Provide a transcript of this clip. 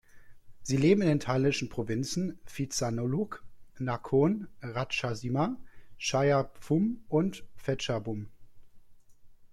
Sie leben in den thailändischen Provinzen Phitsanulok, Nakhon Ratchasima, Chaiyaphum und Phetchabun.